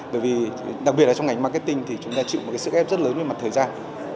bởi vì đặc biệt là trong ngành marketing thì chúng ta chịu một sức ép rất lớn về mặt thời gian